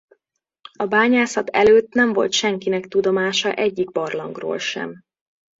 A bányászat előtt nem volt senkinek tudomása egyik barlangról sem.